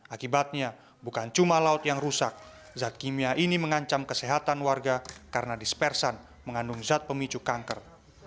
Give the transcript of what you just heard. akibatnya bukan cuma laut yang rusak zat kimia ini mengancam kesehatan warga karena dispersan mengandung zat pemicu kanker